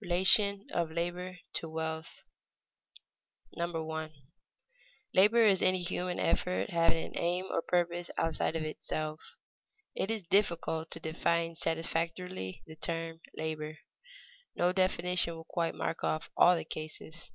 RELATION OF LABOR TO WEALTH [Sidenote: Work and play defined and distinguished] 1. Labor is any human effort having an aim or purpose outside of itself. It is difficult to define satisfactorily the term labor. No definition will quite mark off all the cases.